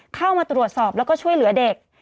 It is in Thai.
เข้ามาตรวจสอบแล้วก็ช่วยเหลือเด็ก